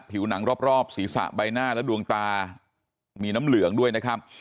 ผิวหนังรอบศีรษะใบหน้าและดวงตามีน้ำเหลืองด้วยนะครับ